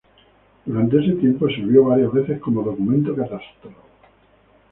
Durante este tiempo sirvió varias veces como documento catastral.